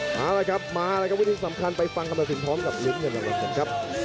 เอาล่ะครับมาแล้วครับวิธีสำคัญไปฟังคำตอบสินท้องกับลิฟต์กันนะครับ